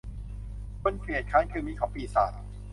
คนเกียจคร้านคือมิตรของปีศาจ